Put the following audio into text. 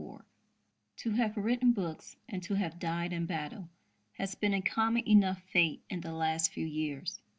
M. KETTLE To have written books and to have died in battle has been a common enough fate in the last few years.